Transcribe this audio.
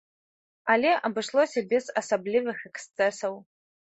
Але абышлося без асаблівых эксцэсаў.